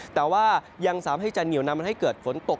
แต่ว่ายังสามารถให้จะเหนียวนำให้เกิดฝนตก